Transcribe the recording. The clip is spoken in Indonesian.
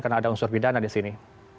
karena ada unsur pidana di sini